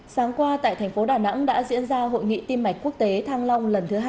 sáng qua tại thành phố đà nẵng đã diễn ra hội nghị tim mạch quốc tế thăng long lần thứ hai